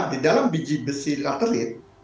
di dalam biji besi katelit